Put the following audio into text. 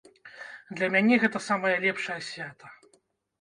Для мяне гэта самае лепшае свята.